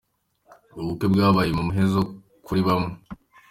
Ubukwe bwabaye mu muhezo kuri bamwe....